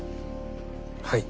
はい。